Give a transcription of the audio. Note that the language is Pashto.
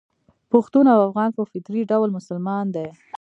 پښتون او افغان په فطري ډول مسلمان دي.